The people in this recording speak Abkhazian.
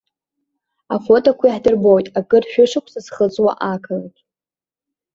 Афотоқәа иаҳдырбоит акыр шәышықәса зхыҵуа ақалақь.